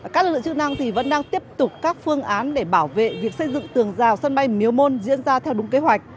các lực lượng chức năng vẫn đang tiếp tục các phương án để bảo vệ việc xây dựng tường rào sân bay miếu môn diễn ra theo đúng kế hoạch